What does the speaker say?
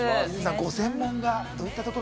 ご専門が？